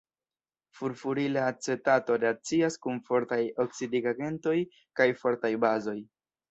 Furfurila acetato reakcias kun fortaj oksidigagentoj kaj fortaj bazoj.